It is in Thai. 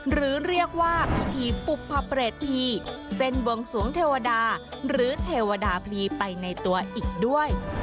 หรือเรียกว่าพิธีปุภเปรตภีเส้นบวงสวงเทวดาหรือเทวดาพลีไปในตัวอีกด้วย